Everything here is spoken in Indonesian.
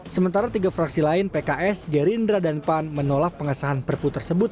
sementara tiga fraksi lain pks gerindra dan pan menolak pengesahan perpu tersebut